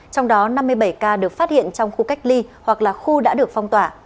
trong đó năm mươi bảy ca được phát hiện trong khu cách ly hoặc là khu đã được phong tỏa